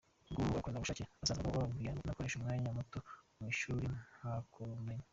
Ubwo abakorerabushake bazaga bambwiye ko nakoresha umwanya muto mu ishuri nkahakura ubumenyi.